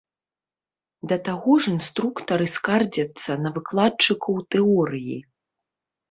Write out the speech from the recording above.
Да таго ж інструктары скардзяцца на выкладчыкаў тэорыі.